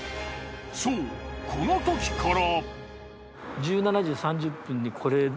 そうこのときから。